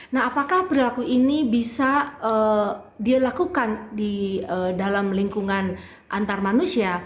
nah apakah pelaku ini bisa dilakukan di dalam lingkungan antar manusia